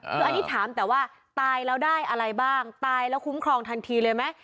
คืออันนี้ถามแต่ว่าตายแล้วได้อะไรบ้างตายแล้วคุ้มครองทันทีเลยไหม